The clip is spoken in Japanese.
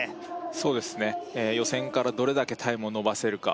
そうですね予選からどれだけタイムを伸ばせるか